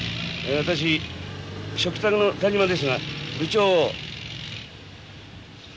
私嘱託の田島ですが部長を。